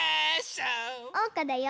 おうかだよ！